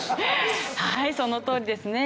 はいそのとおりですね。